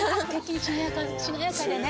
しなやかでね！